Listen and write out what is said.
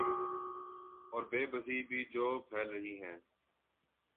اوربے بسی بھی جو پھیل رہی ہیں۔